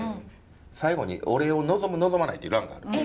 最後に「お礼を望む望まない」っていう欄がある。